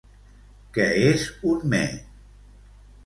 Què és un me?